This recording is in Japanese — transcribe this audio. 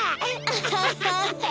アハハハ！